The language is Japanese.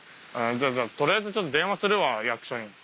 取りあえずちょっと電話するわ役所に。